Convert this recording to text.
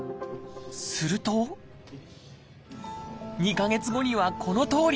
すると２か月後にはこのとおり。